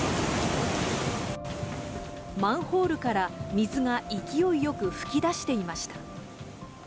マンホールから水が勢いよく噴き出していました。